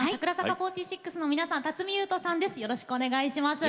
４６の皆さん辰巳ゆうとさんです。